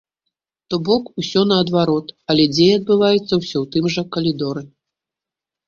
То бок усё наадварот, але дзея адбываецца ўсё ў тым жа калідоры.